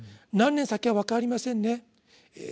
何年先か分かりませんね。